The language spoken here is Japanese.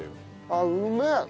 あっうめえ！